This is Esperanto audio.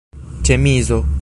ĉemizo